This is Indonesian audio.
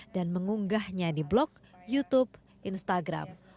dan mengunggahnya di blog youtube instagram